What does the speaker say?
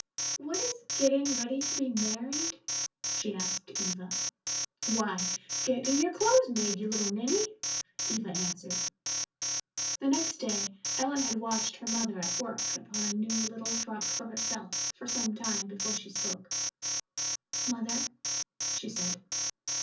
"What is getting ready to be married?" she asked Eva. "Why, getting your clothes made, you little ninny," Eva answered. The next day Ellen had watched her mother at work upon a new little frock for herself for some time before she spoke. "Mother," she said.